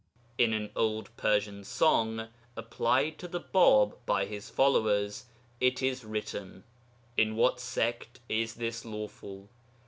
In an old Persian song, applied to the Bāb by his followers, it is written: In what sect is this lawful?